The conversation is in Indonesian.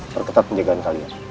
perketat penjagaan kalian